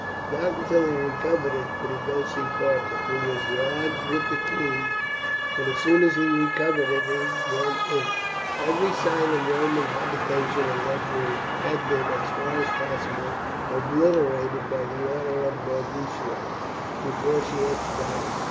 Not until he recovered it could he go to see Parta, who was lodged with the queen, but as soon as he recovered it he went in. Every sign of Roman habitation and luxury had been, as far as possible, obliterated by order of Boadicea before she entered the house.